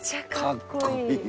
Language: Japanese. かっこいい！